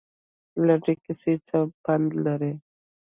لنډې کیسې څه پند لري؟